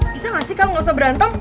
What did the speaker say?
bisa gak sih kalo gak usah berantem